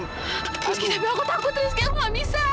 mas gita aku takut rizky aku nggak bisa